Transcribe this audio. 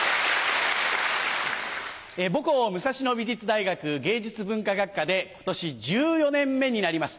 母校武蔵野美術大学芸術文化学科で今年１４年目になります